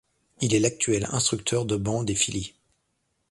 Il est l'actuel instructeur de banc des Phillies.